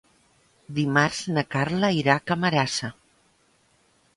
Dimarts na Carla irà a Camarasa.